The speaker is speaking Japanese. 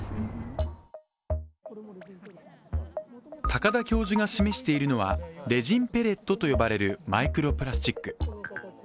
高田教授が示しているのはレジンペレットと呼ばれるマイクロプラスチック。